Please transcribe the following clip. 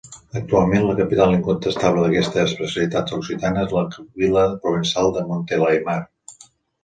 Actualment la capital incontestable d'aquesta especialitat occitana és la vila provençal de Montelaimar.